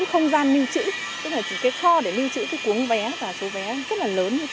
cái không gian lưu trữ tức là chỉ cái kho để lưu trữ cái cuốn vé và số vé rất là lớn như thế